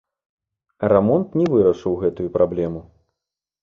Рамонт не вырашыў гэтую праблему.